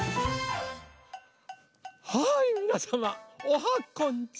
はいみなさまおはこんち